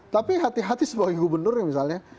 tapi hati hati sebagai gubernur misalnya